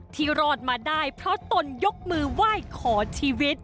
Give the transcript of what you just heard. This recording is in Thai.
รอดมาได้เพราะตนยกมือไหว้ขอชีวิต